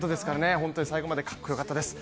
本当に最後までかっこよかったです。